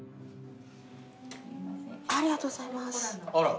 ありがとうございます。